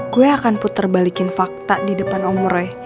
gue akan puterbalikin fakta di depan om roy